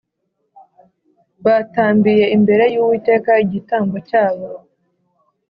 batambiye imbere y Uwiteka igitambo cyabo